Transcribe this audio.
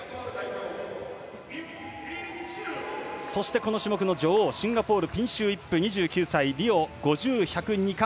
この種目の女王、シンガポールピンシュー・イップリオ５０、１００、２冠。